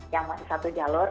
yang masih satu jalur